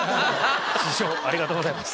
師匠ありがとうございます。